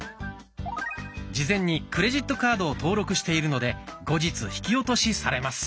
事前にクレジットカードを登録しているので後日引き落としされます。